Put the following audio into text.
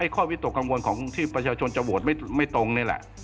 ข้อวิตกกังวลของที่ประชาชนจะโหวตไม่ตรงนี่แหละ